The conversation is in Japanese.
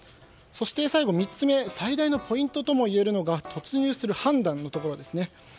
そして、最後３つ目最大のポイントともいえるのが突入する判断のところです。